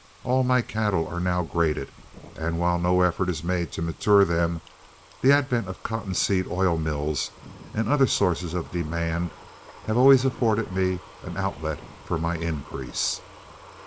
All my cattle are now graded, and while no effort is made to mature them, the advent of cotton seed oil mills and other sources of demand have always afforded me an outlet for my increase.